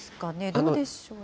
どうでしょうかね。